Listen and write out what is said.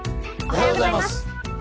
おはようございます。